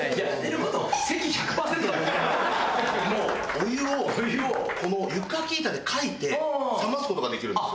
お湯をこの湯かき板でかいて冷ます事ができるんです。